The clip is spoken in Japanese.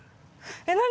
えっ何？